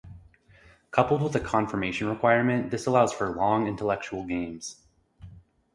Coupled with the confirmation requirement, this allows for long, intellectual games.